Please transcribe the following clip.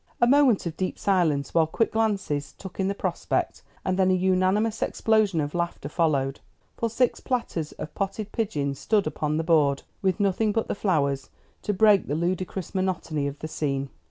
A moment of deep silence, while quick glances took in the prospect, and then a unanimous explosion of laughter followed; for six platters of potted pigeons stood upon the board, with nothing but the flowers to break the ludicrous monotony of the scene.